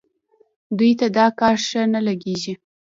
دوی ته دا کار ښه نه لګېږي.